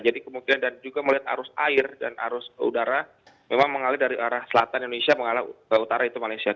jadi kemungkinan dan juga melihat arus air dan arus udara memang mengalir dari arah selatan indonesia mengalir ke utara itu malaysia